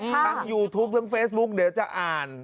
ยูทูปทั้งเฟซบุ๊กเดี๋ยวจะอ่าน